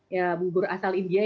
ya bubur asal indonesia